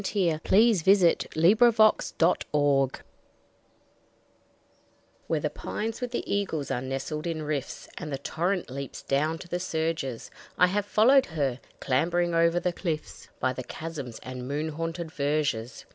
POEMS AND SONGS The Muse of Australia Where the pines with the eagles are nestled in rifts, And the torrent leaps down to the surges, I have followed her, clambering over the clifts, By the chasms and moon haunted verges.